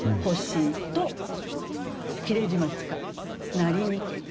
「なりにけり」。